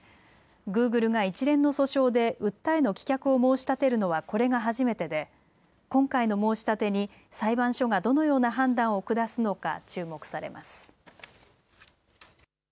グーグルが一連の訴訟で訴えの棄却を申し立てるのはこれが初めてで今回の申し立てに裁判所がどのような判断を下すのか注目されます。